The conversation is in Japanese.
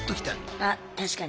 あ確かに。